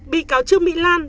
bị cáo trương mỹ lan